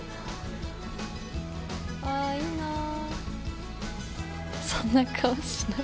あいいなぁ。